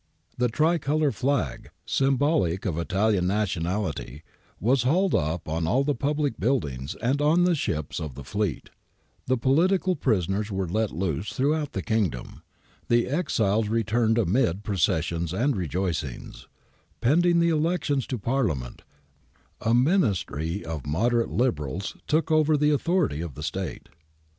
The tricolour flag, symbolic of Italian nationality, was hauled up on all the public build ings and on the ships of the fleet ;^ the political prisoners were let loose throughout the Kingdom ; the exiles re turned amid processions and rejoicings ; pending the elections to Parliament, a Ministry of moderate Liberals took over the authority of the State.